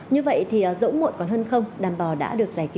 như vậy thì dỗ muộn còn hơn không đàn bò đã được giải cứu